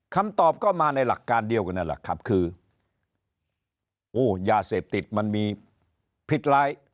คำตอบก็มาในหลักการเดียวกันนั่นแหละครับคือโอ้ยาเสพติดมันมีพิษร้าย